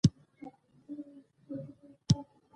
ړستونی مو پورته کړی چې فشار مو وګورم.